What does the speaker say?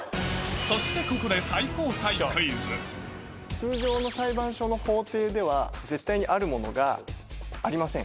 そしてここで通常の裁判所の法廷では絶対にあるものがありません。